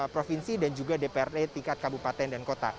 provinsi dan juga dprd tingkat kabupaten dan kota